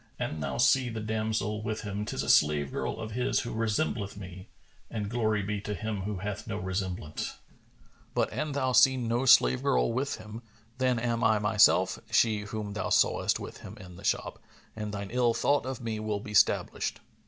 An thou see the damsel with him 'tis a slave girl of his who resembleth me (and Glory be to Him who hath no resemblance![FN#431]) But, an thou see no slave girl with him, then am I myself she whom thou sawest with him in the shop, and thine ill thought of me will be stablished."